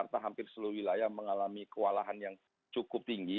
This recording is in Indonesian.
jakarta hampir seluruh wilayah mengalami kewalahan yang cukup tinggi